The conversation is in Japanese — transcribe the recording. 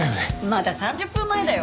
まだ３０分前だよ。